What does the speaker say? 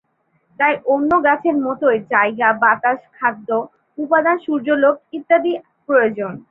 তাই অন্য গাছের মতোই জায়গা, বাতাস, খাদ্য উপাদান সূর্যালোক ইত্যাদির প্রয়োজন।